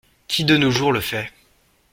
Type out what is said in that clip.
Qui de nos jours le fait?